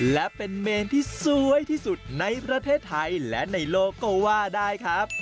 และเป็นเมนที่สวยที่สุดในประเทศไทยและในโลกก็ว่าได้ครับ